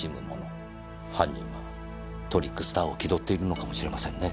犯人はトリックスターを気取っているのかもしれませんね。